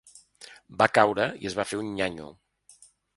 Va caure i es va fer un nyanyo.